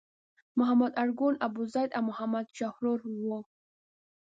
محمد ارګون، ابوزید او محمد شحرور وو.